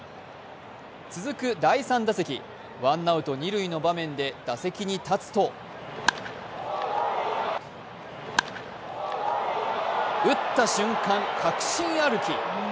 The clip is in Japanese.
続く第３打席、ワンアウト・二塁の場面で打席に立つと、打った瞬間、確信歩き。